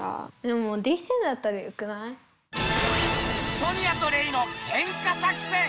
ソニアとレイのケンカ作戦！